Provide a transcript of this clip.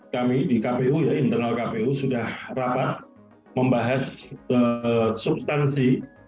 kami di kpu ya internal kpu sudah rapat membahas substansi